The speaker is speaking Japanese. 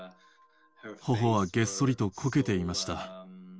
ほほはげっそりとこけていました。